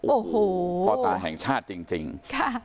โอ้โหพ่อตาแห่งชาติจริงจริงค่ะ